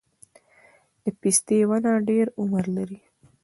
د پستې ونه ډیر عمر لري؟